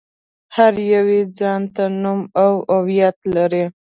هر يو يې ځان ته نوم او هويت لري.